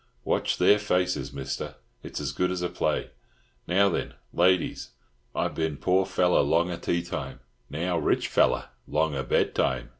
Watch their faces, Mister, it's as good as a play. Now then, ladies, I bin poor fella longa teatime, now rich feller longa bedtime.